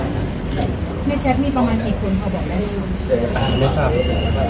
ในแชทมีประมาณกี่คนเขาบอกได้หรือ